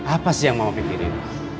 apa sih yang mama pikirin